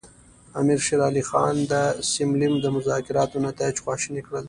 امیر شېر علي خان د سیملې د مذاکراتو نتایج خواشیني کړل.